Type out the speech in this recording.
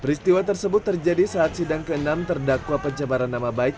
peristiwa tersebut terjadi saat sidang ke enam terdakwa pencemaran nama baik